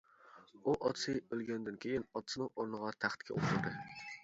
ئۇ ئاتىسى ئۆلگەندىن كېيىن ئاتىسىنىڭ ئورنىغا تەختكە ئولتۇردى.